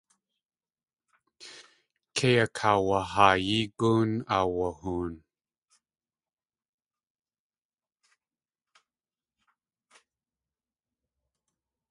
Kei akaawahaayi góon, aawahoon.